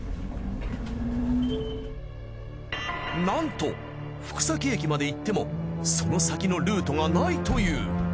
なんと福崎駅まで行ってもその先のルートがないという。